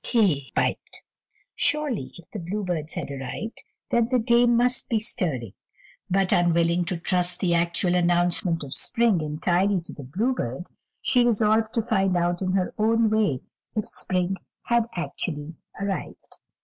he piped. Surely if the bluebirds had arrived, then the Dame must be stirring; but, unwilling to trust the actual announcement of spring entirely to the bluebird, she resolved to find out in her own way if spring had actually arrived.